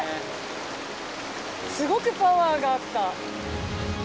すごくパワーがあった。